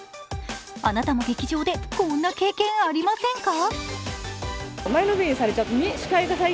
あなたも劇場でこんな経験ありませんか？